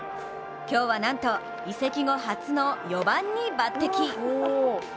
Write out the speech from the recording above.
今日は、なんと移籍後初の４番に抜てき。